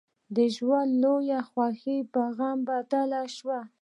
د ژوند لويه خوښي يې په غم بدله شوه.